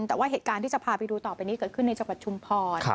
แต่ว่าเหตุการณ์ที่จะพาไปดูต่อไปนี้เกิดขึ้นในจังหวัดชุมพร